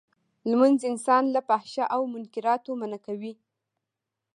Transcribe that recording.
لمونځ انسان له فحشا او منکراتو منعه کوی.